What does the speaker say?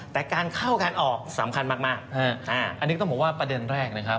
แต่การเข้าการออกสำคัญมาก